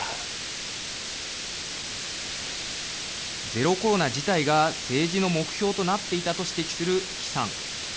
ゼロコロナ自体が、政治の目標となっていたと指摘する季さん。